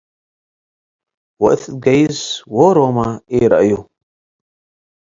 ወእት ገይስ ዎሮመ ኢረአዩ።